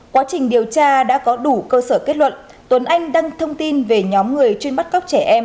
quá trình điều tra đã có đủ cơ sở kết luận tuấn anh đăng thông tin về nhóm người chuyên bắt cóc trẻ em